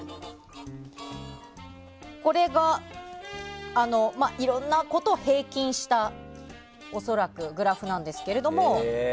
これがいろんなことを平均した恐らく、グラフなんですけども。